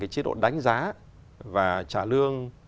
chế độ đánh giá và trả lương